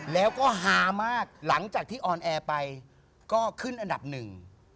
แล้วก็ฮามากหลังจากที่ออนแอร์ไปก็ขึ้นอันดับหนึ่ง